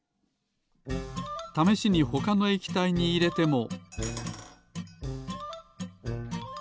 ためしにほかの液体にいれても。